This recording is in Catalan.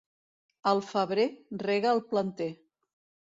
Al febrer, rega el planter.